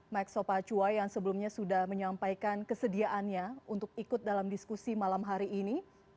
max sopacua yang sebelumnya sudah menyampaikan kesediaannya untuk ikut dalam diskusi malam hari ini